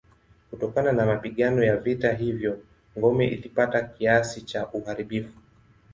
Kutokana na mapigano ya vita hivyo ngome ilipata kiasi cha uharibifu.